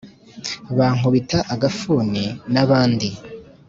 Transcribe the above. bankubita agafuni n'abandi